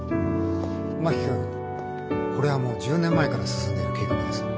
真木君これはもう１０年前から進んでいる計画です。